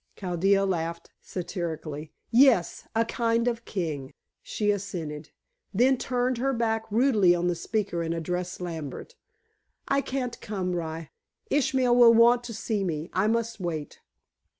Chaldea laughed satirically. "Yes; a kind of king," she assented; then turned her back rudely on the speaker and addressed Lambert: "I can't come, rye. Ishmael will want to see me. I must wait."